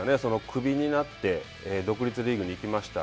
首になって、独立リーグに行きました。